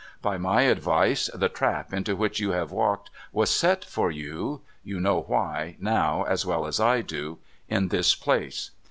By my advice the trap into which you have walked was set for you (you know why, now, as well as I do) in this place.